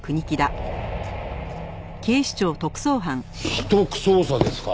秘匿捜査ですか？